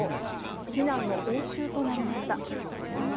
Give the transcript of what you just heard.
非難の応酬となりました。